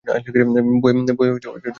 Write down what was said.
বইয়ে বেরোয় নি।